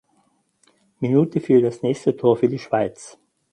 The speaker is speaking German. Minute fiel das nächste Tor für die Schweiz.